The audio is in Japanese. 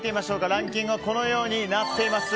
ランキングはこのようになっています。